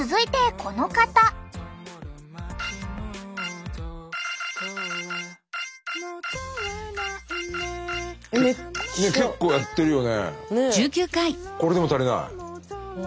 これでも足りない？